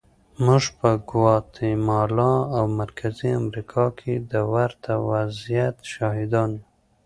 موږ په ګواتیمالا او مرکزي امریکا کې د ورته وضعیت شاهدان یو.